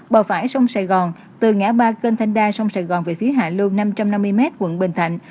bờ phải sông sài gòn từ ngã ba kênh thanh đa sông sài gòn về phía hạ lưu năm trăm năm mươi m quận bình thạnh